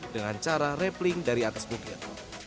dengan cara rappling dari atas bukit